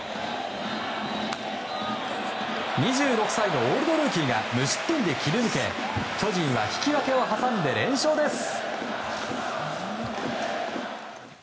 ２６歳のオールドルーキーが無失点で切り抜け巨人は引き分けを挟んで連勝です。